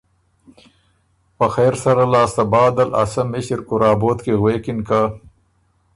په خېرسره لاسته بعد ل ا سۀ مِݭِر که رابوت غوېکِن که: